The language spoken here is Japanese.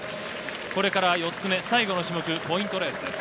これから４つ目、最後の種目、ポイントレースです。